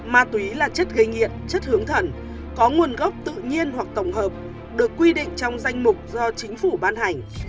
ma túy là chất gây nghiện chất hướng thần có nguồn gốc tự nhiên hoặc tổng hợp được quy định trong danh mục do chính phủ ban hành